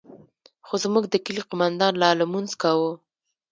خو زموږ د کلي قومندان لا لمونځ کاوه.